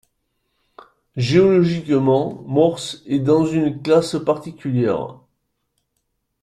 Géologiquement, Mors est dans une classe particulière.